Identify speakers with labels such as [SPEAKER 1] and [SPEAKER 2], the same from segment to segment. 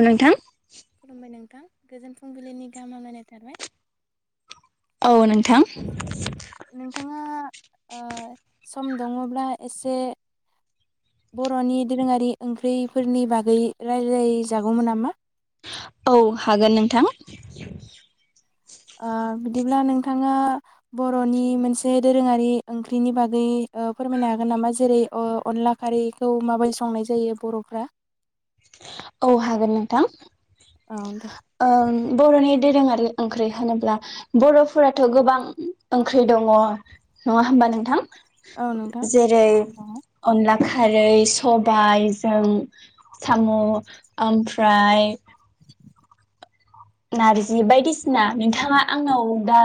[SPEAKER 1] अ नोंथां।
[SPEAKER 2] खुलुमबाय नोंथां गोजोन फुंबिलिनि गाहाम हामलायनाय थाबाय।
[SPEAKER 1] औ नोंथां।
[SPEAKER 2] नोंथाङा ओ सम दङब्ला एसे बर'नि दोरोङारि ओंख्रिफोरनि बागै रायज्लायजागौमोन नामा?
[SPEAKER 1] औ हागोन नोंथां।
[SPEAKER 2] ओ बिदिब्ला नोंथाङा बर'नि मोनसे दोरोङारि ओंख्रिनि बागै ओ फोरमायनो हागोन नामा जेरै अ-अनला खारैखौ माबायदि संनाय जायो बर'फ्रा?
[SPEAKER 1] अ हागोन नोंथां।
[SPEAKER 2] औ दे
[SPEAKER 1] ओं बर'नि दोरोङारि ओंख्रि होनोब्ला बर'फोराथ' गोबां ओंख्रि दङ नङा होमबा नोंथां?
[SPEAKER 2] औ नोंथां
[SPEAKER 1] जेरै अनला खारै सबायजों साम' ओमफ्राय नारजि बायदिसिना नोंथाङा आंनाव दा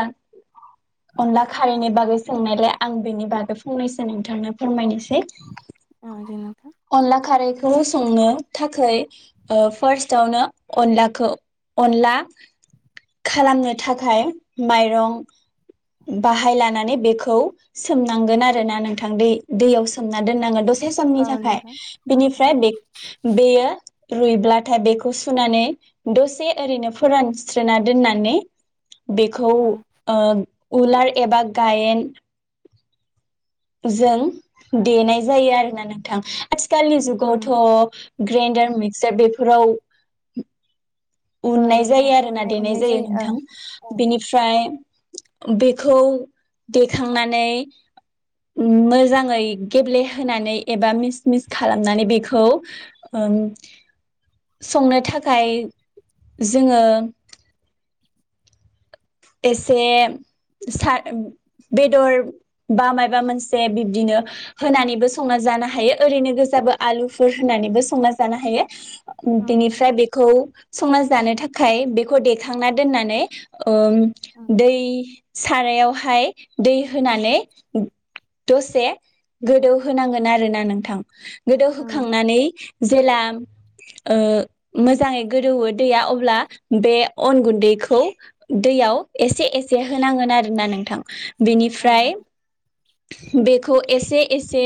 [SPEAKER 1] अनला खारैनि बागै सोंनायलाय आं बेनि बागै फंनैसो नोंथांनो फोरमायनोसै।
[SPEAKER 2] बिदिनो
[SPEAKER 1] अनला खारैखौ संनो थाखै ओ फार्स्टआवनो अनलाखौ अनला खालामनो थाखाय माइरं बाहाय लानानै बेखौ सोमनांगोन आरो ना नोंथां दै दैयाव सोमना दोननांगोन दसे। समनि
[SPEAKER 2] औ
[SPEAKER 1] थाखाय
[SPEAKER 2] नोंथां औ औ
[SPEAKER 1] बिनिफ्राय बे बेयो रुइब्लाथाय बेखौ सुनानै दसे ओरैनो फोरानस्रि फोरानना दोननानै बेखौ
[SPEAKER 2] औ
[SPEAKER 1] ओ उलार एबा गायेन जों देनाय जायो आरोना नोंथां। आथिखालनि जुगावथ' ग्रेइन्डार मिक्सार बेफोराव
[SPEAKER 2] औ
[SPEAKER 1] उननाय
[SPEAKER 2] नोंथां
[SPEAKER 1] जायो आरो ना
[SPEAKER 2] माने
[SPEAKER 1] देनाय
[SPEAKER 2] अननाय
[SPEAKER 1] जायो
[SPEAKER 2] औ
[SPEAKER 1] नोंथां
[SPEAKER 2] औ औ
[SPEAKER 1] बिनिफ्राय बेखौ देखांनानै मोजाङै गेब्लेहोनानै एबा मिस मिस खालामनानै बेखौ ओम संनो थाखाय जोङो एसे सा बेदर बा मायबा मोनसे बिब्दिनो होनानैबो संना जानो हायो ओरैनो गोजाबो आलुफोर होनानैबो संना जानो हायो।
[SPEAKER 2] औ नोंथां
[SPEAKER 1] बिनिफ्राय बेखौ संना जानो थाखाय बेखौ देखांना दोननानै ओम
[SPEAKER 2] औ नोंथां
[SPEAKER 1] दै साराइयावहाय दै होनानै दसे गोदौहांगोन आरो ना नोंथां। गोदौ
[SPEAKER 2] औ नोंथां
[SPEAKER 1] होखांनानै जेला ओ मोजाङै गोदौवो दैया अब्ला बे अन गुन्दैखौ दैयाव एसे एसे होनांगोन आरोना नोंथां
[SPEAKER 2] औ
[SPEAKER 1] बिनिफ्राय बेखौ एसे एसे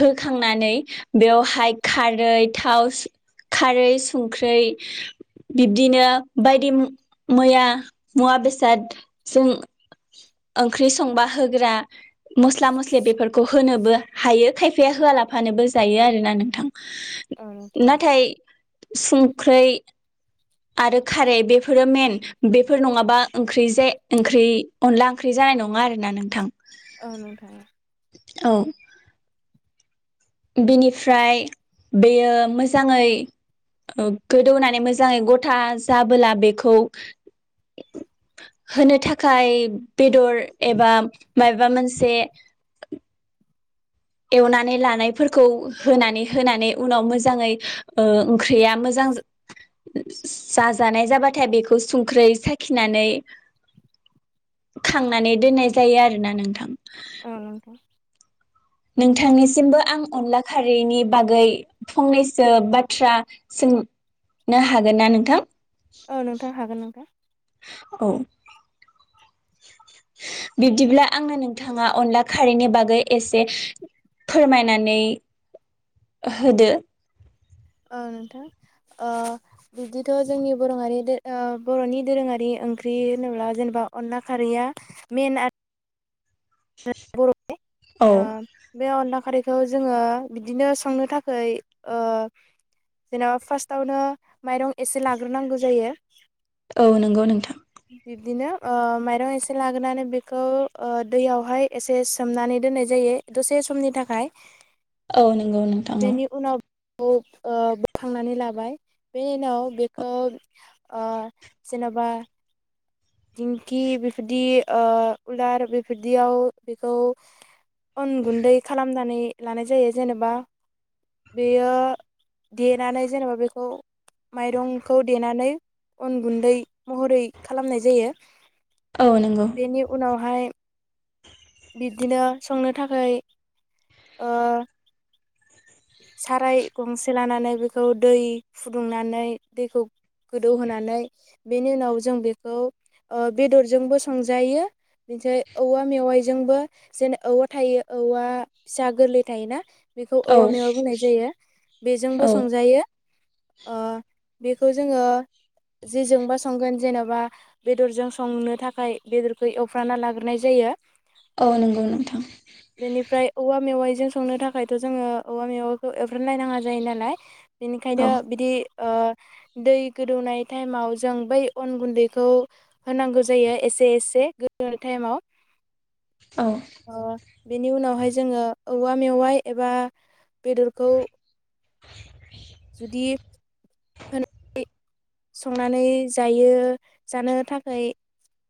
[SPEAKER 1] होखांनानै बेवहाय खारै थाव खारै संख्रै बिब्दिनो बायदि मु-मैया-मुवा बेसाद सुं ओंख्रि संबा होग्रा मोस्ला मोस्लि बेफोरखौ होनोबो हायो खायफाया होआलाफानोबो जायो आरोना नोंथां।
[SPEAKER 2] नोंथां
[SPEAKER 1] नाथाय संख्रै। आरो खारै बेफोरो मेन बेफोर नङाबा ओंख्रि जा ओंख्रि अनला ओंख्रि जानाय नङा आरोना नोंथां।
[SPEAKER 2] औ नोंथां।
[SPEAKER 1] औ। बिनिफ्राय बेयो मोजाङै गोदौनानै मोजाङै गथा जाबोला बेखौ होनो थाखाय बेदर एबा माबा मोनसे एवनानै लानायफोरखौ होनानै होनानै उनाव मोजाङै ओ ख्रिया मोजां जाजानाय जाबाथाय बेखौ संख्रै साखिनानै खांनानै दोननाय जायो आरोना नोंथां।
[SPEAKER 2] औ नोंथां औ नोंथां
[SPEAKER 1] नोंथांनिसिमबो आं अनला खारैनि बागै फंनैसो बाथ्रा सोंनो हागोन ना नोंथां?
[SPEAKER 2] औ नोंथां हागोन नोंथां।
[SPEAKER 1] औ। बिब्दिब्ला आंनो नोंथाङा अनला खारैनि बागै एसे फोरमायनानै होदो।
[SPEAKER 2] औ नोंथां ओ बिदिथ जोंनि बरङारि बरनि दोरोङारि ओंख्रि होनोब्ला जेनेबा अनला खारैया मेन आ [unintelligible]
[SPEAKER 1] औ
[SPEAKER 2] बे अनला खारै खौ जोङो बिदिनो संनो थाखाय ओ जेनेबा फार्स्टआवनो माइरं एसे लाग्रोनांगौ जायो।
[SPEAKER 1] औ नंगौ नोंथां।
[SPEAKER 2] बिबदिनो ओ माइरं एसे लाग्रोनानै बेखौ ओ दैयाव हाय एसे सोमनानै दोननाय जायो दसे समनि थाखाय।
[SPEAKER 1] औ नंगौ नोंथां औ।
[SPEAKER 2] खौ ओ बोखांनानै लाबाय बेनि उनाव बेखौ ओ जेनेबा दिंखि बेफोरदि ओ उलार बेफोरदियाव बेखौ अन गुन्दै खालामनानै लानाय जायो जेनेबा बेयो देनानै जेनेबा बेखौ माइरंखौ देनानै अन गुन्दै महरै खालामनाय जायो।
[SPEAKER 1] औ नंगौ
[SPEAKER 2] बेनि उनावहाय बिब्दिनो संनो थाखाय ओ साराय गंसे लानानै बेखौ दै फुदुंनानै दैखौ गोदौहोनानै बेनि उनाव जों बेखौ ओ बेदरजोंबो संजायो [unintelligible] औवा मेवाइजोंबो जेने औवा थायो औवा फिसा गोरलै थायोना
[SPEAKER 1] औ
[SPEAKER 2] औवा मेवाइ बुंनाय जायो बेजोंबो
[SPEAKER 1] औ
[SPEAKER 2] संजायो। ओ बेखौ जोङो जेजोंबा संगोन जेनोबा बेदरजों संनो थाखाय बेदरखौ एवफ्राना लाग्रोनाय जायो।
[SPEAKER 1] औ नंगौ नोंथां।
[SPEAKER 2] बिजों संनो थाखायथ' जोङो औवा मेवाखौ [unintelligible] जायो नालाय बेनिखायनो
[SPEAKER 1] औ
[SPEAKER 2] बिदि ओ दै गोदौनाय टाइमाव जों बै अन गुन्दैखौ होनांगौ जायो एसे एसे गोदौनाय टाइमाव।
[SPEAKER 1] ओ।
[SPEAKER 2] ओ बेनि उनावहाय जोङो औवा मेवाइ एबा बेदरखौ जुदि संनानै जायो। जानो थाखाय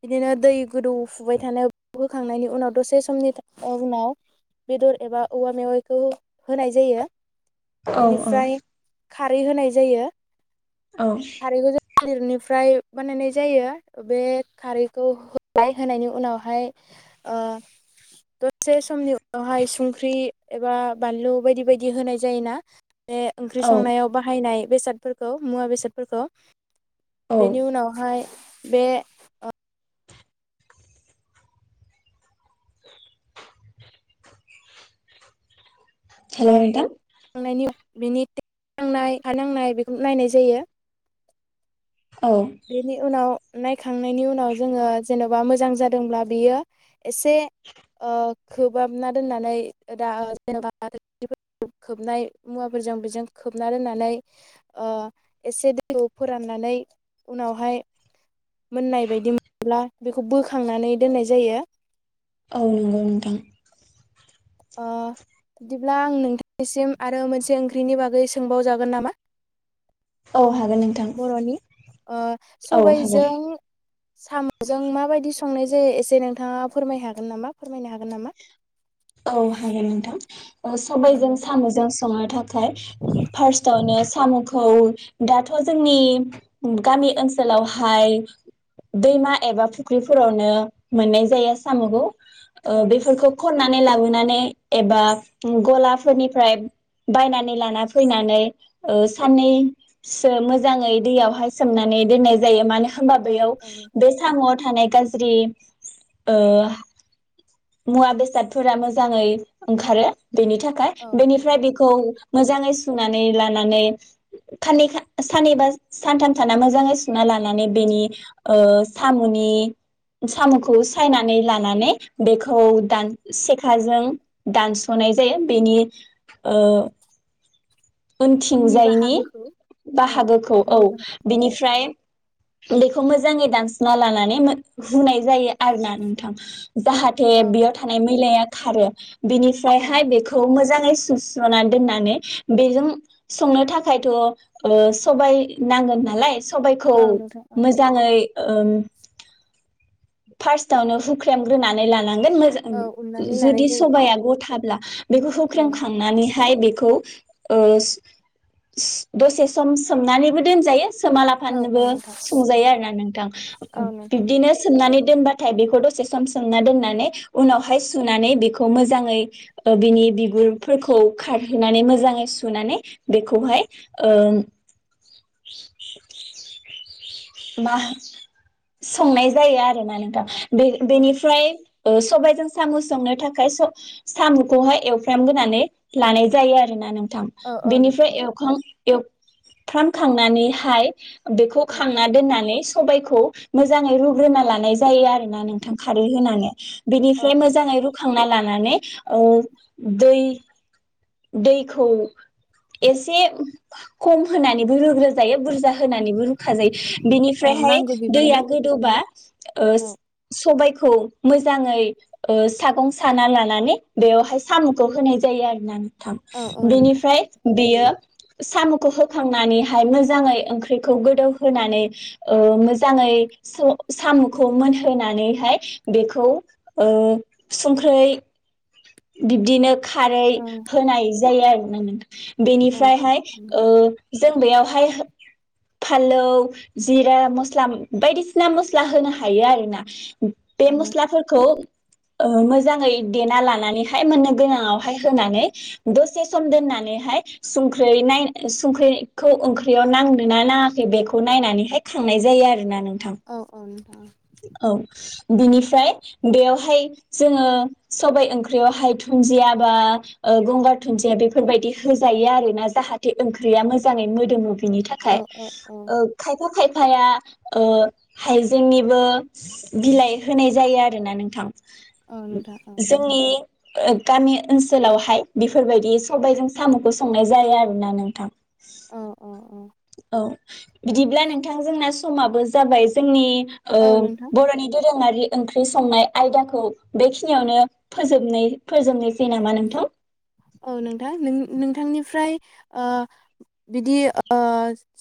[SPEAKER 2] बिदिनो दै गोदौफुबाय थानायाव होखांनायनि उनाव दसे समनि था ओ उनाव बेदर एबा औवा मेवाइखो होनाय जायो
[SPEAKER 1] औ औ
[SPEAKER 2] बेनिफ्राय खारै होनाय जायो
[SPEAKER 1] औ
[SPEAKER 2] खारैखौ जों थालिरनिफ्राय बानायनाय जायो बे खारैखौ [unintelligible] हाय होनायनि उनावहाय ओ दतसे समनि उ आवहाय सुंख्रि एबा बानलु बायदि बायदि होनाय जायोना बे ओंख्रि
[SPEAKER 1] औ
[SPEAKER 2] संनायाव बाहायनाय बेसादफोर खो मुवा बेसादफोरखो
[SPEAKER 1] औ
[SPEAKER 2] बेनि उनावहाय बे ओ
[SPEAKER 1] हेलौ
[SPEAKER 2] [unintelligible]
[SPEAKER 1] नोंथां
[SPEAKER 2] बिनि [unintelligible] नांनाय हा नांनाय बेखौ नायनाय जायो
[SPEAKER 1] औ औ
[SPEAKER 2] बेनि उनाव नायखांनायनि उनाव जोंङो जेनबा मोजां जादोंब्ला बेयो एसे ओ खोबहाबना दोननानै दा [unintelligible] [unintelligible] खोबनाय मुवाफोरजों बेजों खोबना दोननानै ओ एसे दैखौ फोराननानै उनावहाय मोननाय बायदि मोन [unintelligible] ला बेखौ बोखांनानै दोननाय जायो
[SPEAKER 1] औ नोंगौ नोंथां
[SPEAKER 2] ओ दिब्ला आं नोंथां [unintelligible] सिम आरो मोनसे ओंख्रिनि बागै सोंबावजागोन नामा
[SPEAKER 1] औ हाग
[SPEAKER 2] बरनि ओ
[SPEAKER 1] औ हागोन
[SPEAKER 2] सबायजों सामजों माबायदि संनाय जायो एसे नोंथाङा फोरमाय हागोन नामा फोरमायनो हागोन नामा
[SPEAKER 1] औ हागोन नोंथां ओ
[SPEAKER 2] औ दे
[SPEAKER 1] सबायजों साम जों संनो थाखाय फार्स्टआवनो सामखौ दाथ जोंनि गामि ओनसोलावहाय दैमा एबा फुख्रिफोरावनो मोननाय जाया सामखौ ओ
[SPEAKER 2] औ नोंथां
[SPEAKER 1] बेफोरखौ खना नानै लाबोनानै एबा गलाफोरनिफ्राय बायनानै लाना फैनानै ओ साननैसो मोजाङै दैयावहाय सोमनानै दोननाय जायो मानो हो होमबा
[SPEAKER 2] औ
[SPEAKER 1] बेयाव
[SPEAKER 2] औ नोंथां
[SPEAKER 1] बे सामआव थानाय गाज्रि ओ मुवा बेसाद फोरा मोजाङै ओंखारो बेनि थाखाय
[SPEAKER 2] औ औ
[SPEAKER 1] बेनिफ्राय
[SPEAKER 2] नोंथां
[SPEAKER 1] बेखौ मोजाङै नानै लानानै खानै खान सानै बा सानथाम थाना मोजाङै स ना लानानै बेनि ओ सामनि सामखौ सायनानै लानानै बेखौ दान सेखाजों दानसनाय जायो बेनि ओ
[SPEAKER 2] उननि
[SPEAKER 1] उनथिंजायनि
[SPEAKER 2] बाहागोखौ औ
[SPEAKER 1] बाहागोखौ औ
[SPEAKER 2] उननि बाहागो औ औ
[SPEAKER 1] बिनिफ्राय बेखौ मोजाङै दानस'ना लानानै हुनाय जायो। आरोना नोंथां जाहाथे
[SPEAKER 2] औ
[SPEAKER 1] बेयाव थानाय मैलाया खारो
[SPEAKER 2] औ
[SPEAKER 1] बिनिफ्रायहाय बेखौ मोज जाङै सुस्र'नानै दोननानै बेजों संनो थाखायथ' ओ सबाय नांगोन नालाय सबायखौ
[SPEAKER 2] औ नोंथां औ
[SPEAKER 1] मोजाङै ओम फार्स्टआवनो हुख्रेमग्रोनानै ला नांगोन मजा
[SPEAKER 2] औ उननानै लानाय
[SPEAKER 1] जुदि
[SPEAKER 2] जायो
[SPEAKER 1] सबाया गथाब्ला बेखौ‌
[SPEAKER 2] औ
[SPEAKER 1] हुख्रेमखांनानै हाय बेखौ ओस दसे सम सोमनानैबो दोनजायो सोमा
[SPEAKER 2] औ
[SPEAKER 1] लाफानोबो
[SPEAKER 2] औ नोंथां
[SPEAKER 1] संजायो आरो ना नोंथां
[SPEAKER 2] औ नोंथां
[SPEAKER 1] बिबदिनो सोमनानै दोनबाथाय बेखौ दसे सम समोमना दोननानै उनावहाय सुनानै बेखौ मोजाङै बिनि बिगुरफोरखौ खारहोनानै मोजाङै सुनानै बेखौहाय ओ मा संनाय जायो आरोना नोंथां। बे
[SPEAKER 2] औ
[SPEAKER 1] बेनिफ्राय ओ सबायजों साम' संनो थाखाय स-साम'खौहाय एवफ्रामग्रोनानै लानाय जायो आरोना नों थां
[SPEAKER 2] औ औ
[SPEAKER 1] बेनिफ्राय
[SPEAKER 2] नोंथां
[SPEAKER 1] एवखां एवफ्रामखांनानैहाय बेखौ
[SPEAKER 2] औ
[SPEAKER 1] खां नानै सबायखौ मोजाङै रुग्रोना लानाय जायो आरोना नोंथां खारै होनानै
[SPEAKER 2] औ
[SPEAKER 1] बिनिफ्राय
[SPEAKER 2] औ
[SPEAKER 1] मोजाङै रुखांना लानानै अ दैै दैखौ एसे खम होनानैबो रोग्रो जायो बुरजा होनानैबो रुखाजायो
[SPEAKER 2] औ
[SPEAKER 1] बेनिफ्रायहाय
[SPEAKER 2] नांगौ
[SPEAKER 1] दैआ
[SPEAKER 2] बिबांनि
[SPEAKER 1] गोदौवबा ओ
[SPEAKER 2] औ
[SPEAKER 1] सबायखौ खौ मोजाङै ओ सागं साना लानानै बेवहाय साम'खौ होनाय जायो आरोना थाम
[SPEAKER 2] औ औ नोंथां
[SPEAKER 1] बेनिफ्राय बेयो साम'खौ होखांनानैहाय मोजाङै ओंख्रिखौ गोदौहोनानै ओ मोजाङै स-साम'खौ मोनहोनानैहाय बेखौ ओ संख्रै बिब्दिनो खारै
[SPEAKER 2] औ
[SPEAKER 1] होनाय ज जायो आरोना नोंथां
[SPEAKER 2] औ
[SPEAKER 1] बेनिफ्रायहाय ओ जों बेयावहाय फालौ जिरा मस्ला बायदिसिना मस्ला होनो हायो आरोना बे मस्लाफोरखौ मोजाङै देना लानानै हाय मोननो गोनाङावहाय होनानै दसे सम दोननानैहाय संख्रै नाय संख्रैखौ ओंख्रियाव नांदों ना नाङाखै बेखौ नायनानैहाय खांनाय जायो आरो ना नों नोंथां
[SPEAKER 2] उम
[SPEAKER 1] औ बिनिफ्राय बेयावहाय जोङो सबाय ओंख्रियावहाय दुन्दिया बा ओ गंगार दुन्दिया बेफोरबायदि होजायो आरोना जाहाथे ओंख्रिया मोजाङै मोदोमो बिनि
[SPEAKER 2] औ
[SPEAKER 1] थाखाय
[SPEAKER 2] औ औ
[SPEAKER 1] ओ खायफा खाय फाया ओ हाइजेंनि बो बिलाइ होनाय जायो आरोना नोंथां
[SPEAKER 2] औ
[SPEAKER 1] उ
[SPEAKER 2] नोंथां औ
[SPEAKER 1] जोंनि ओ गामि ओनसोलावहाय बेफोरबायदि सबायजों सामखौ संनाय जायो आरोना नोंथां।
[SPEAKER 2] औ औ औऔ
[SPEAKER 1] औ बिदिब्ला नोंथां जोंना समाबो जाबाय जोंनि ओ
[SPEAKER 2] औ नोंथां
[SPEAKER 1] बरनि दो दोरोङारि ओंख्रि संनाय आयदाखौ बेखिनियावनो फोजोबनाय फोजोबनोसै नामा नोंथां?
[SPEAKER 2] औ नोंथां नों नोंथांनिफ्राय ओ बिदि ओ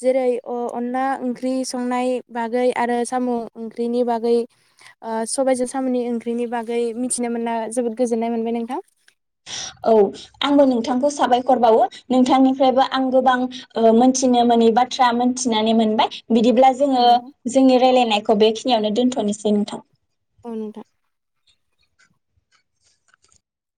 [SPEAKER 2] जेरै अ अनला ओंख्रि संनाय बागै आरो साम ओंख्रिनि बागै ओ सबायाइजों सामुनि ओंख्रिनि बागै मिथिनो मोना जोबोद गोजोननाय मोनबाय नोंथां
[SPEAKER 1] औ आंबो नोंथांखौ साबायखर बावो नोंथांनिफ्रायबो आं गोबां ओ मोनथिनो मोनै बाथ्रा मोनथिनानै मोनबाय बिदिब्ला
[SPEAKER 2] औ
[SPEAKER 1] जोङो
[SPEAKER 2] नोंथां।
[SPEAKER 1] जोंनि रायलायनायखौ बेखि नियावनो दोन्थनोसै नोंथां
[SPEAKER 2] औ नोंथा